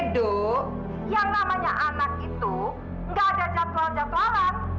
hidup yang namanya anak itu nggak ada jadwal jadwalan